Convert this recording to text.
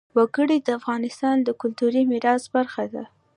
وګړي د افغانستان د کلتوري میراث برخه ده.